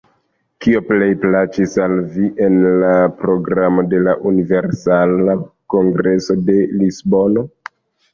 Kio plej plaĉis al vi en la programo de la Universala Kongreso de Lisbono?